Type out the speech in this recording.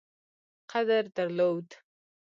قدر درلود.